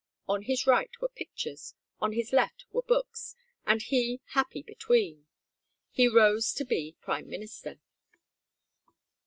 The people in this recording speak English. On his right were pictures, on his left were books, and he happy between. He rose to be Prime Minister.